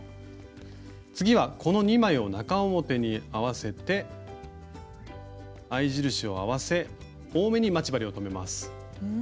次はこの２枚を中表に合わせて合い印を合わせ多めに待ち針を留めます。